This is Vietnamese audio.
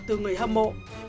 từ người hâm mộ